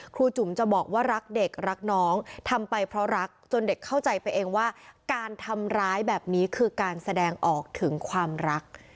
จุ๋มจะบอกว่ารักเด็กรักน้องทำไปเพราะรักจนเด็กเข้าใจไปเองว่าการทำร้ายแบบนี้คือการแสดงออกถึงความรัก